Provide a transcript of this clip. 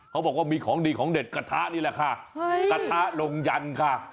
เขาบอกว่ามีของดีของเด็ดกระทะนี่แหละค่ะกระทะลงยันค่ะ